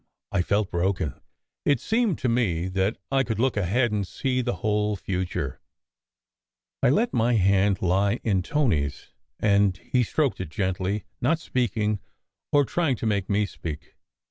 I felt broken. It seemed to me that I could look ahead and see the whole future. I let my hand lie in Tony s, and he stroked it gently, SECRET HISTORY 149 not speaking or trying to make me speak.